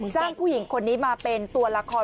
จ้างผู้หญิงคนนี้มาเป็นตัวละคร